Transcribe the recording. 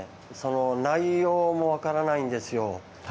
内容も分からないんですよ。